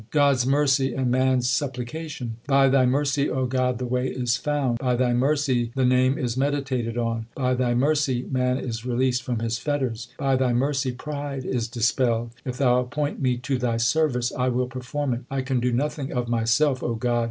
2 God s mercy and man s supplication : By Thy mercy, O God, the way is found ; By Thy mercy the Name is meditated on ; By Thy mercy man is released from his fetters ; By Thy mercy pride is dispelled. If Thou appoint me to Thy service I will perform it. I can do nothing of myself, O God.